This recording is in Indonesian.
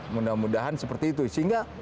mudah mudahan seperti itu sehingga